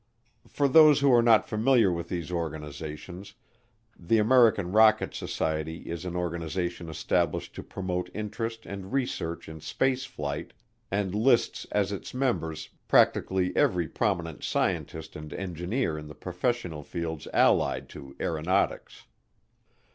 For those who are not familiar with these organizations, the American Rocket Society is an organization established to promote interest and research in space flight and lists as its members practically every prominent scientist and engineer in the professional fields allied to aeronautics.